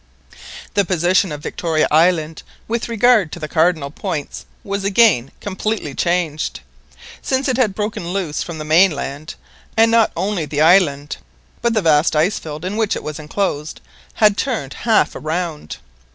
The position of Victoria Island with regard to the cardinal points was again completely changed. Since it had broken loose from the mainland the island—and not only the island, but the vast ice field in which it was enclosed—had turned half round.